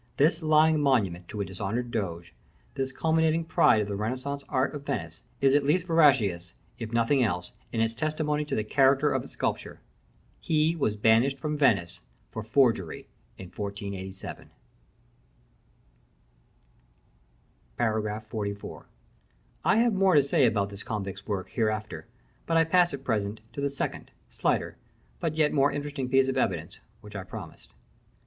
This lying monument to a dishonored doge, this culminating pride of the Renaissance art of Venice, is at least veracious, if in nothing else, in its testimony to the character of its sculptor. He was banished from Venice for forgery in 1487. § XLIV. I have more to say about this convict's work hereafter; but I pass at present, to the second, slighter, but yet more interesting piece of evidence, which I promised.